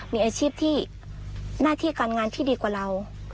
มีอาชีพที่หน้าที่การงานที่ดีกว่าเรา